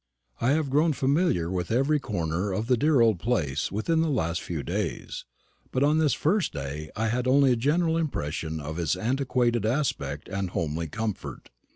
I have grown familiar with every corner of the dear old place within the last few days, but on this first day I had only a general impression of its antiquated aspect and homely comfort.